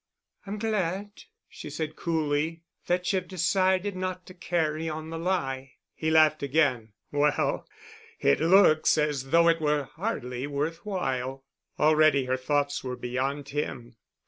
"I'm glad," she said coolly, "that you've decided not to carry on the lie——" He laughed again. "Well, it looks as though it were hardly worth while." Already all her thoughts were beyond him.